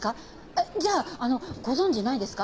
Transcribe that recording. えっじゃああのご存じないですか？